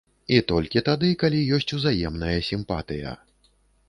І толькі тады, калі ёсць узаемная сімпатыя.